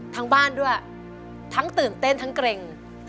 ทั้งบ้านด้วยทั้งตื่นเต้นทั้งเกร็ง